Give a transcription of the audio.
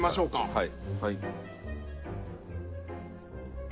はい。